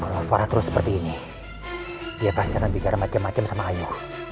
kalau farah terus seperti ini dia pasti akan digara macem macem sama ayu